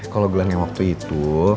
kalau gelang yang waktu itu